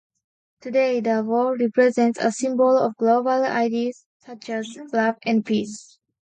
Today, the wall represents a symbol of global ideals such as love and peace.